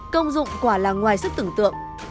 công dụng quả là ngoài sức tưởng tượng